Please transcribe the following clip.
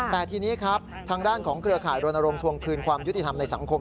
แต่ทีนี้ครับทางด้านของเครือข่ายรณรงค์ทวงคืนความยุติธรรมในสังคม